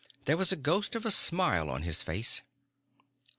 There was a ghost of a smile on his face.